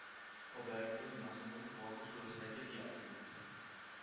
Oberto rimase molto poco sulla sedia di Asti.